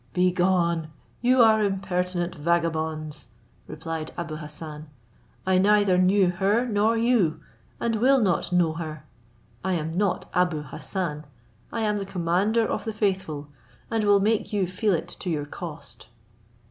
"Be gone, you are impertinent vagabonds," replied Abou Hassan; "I neither knew her nor you, and will not know her. I am not Abou Hassan; I am the commander of the faithful, and will make you feel it to your cost."